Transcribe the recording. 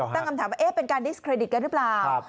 ตั้งคำถามว่าเป็นการดิสเครดิตกันหรือเปล่า